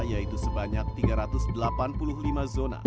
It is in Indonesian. yaitu sebanyak tiga ratus delapan puluh lima zona